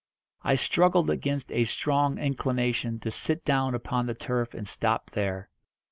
I struggled against a strong inclination to sit down upon the turf and stop there.